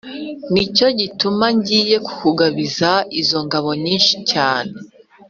ni cyo gituma ngiye kukugabiza izo ngabo nyinshi cyane